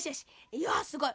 いやすごい！